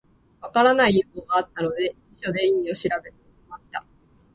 分からない用語があったので、辞書で意味を調べました。